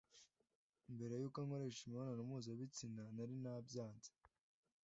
Mbere y’uko ankoresha imibonano mpuzabitsina narinabyanze